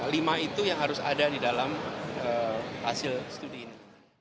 lima itu yang harus ada di dalam hasil studi ini